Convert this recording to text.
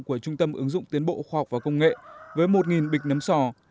của trung tâm ứng dụng tiến bộ khoa học và công nghệ với một bịch nấm sò